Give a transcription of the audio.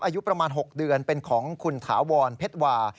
อายุประมาณ๖เดือนเป็นของคุณถาวรเพชรวา